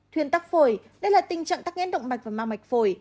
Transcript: thuyền tắc phổi đây là tình trạng tắc nghén động mạch và ma mạch phổi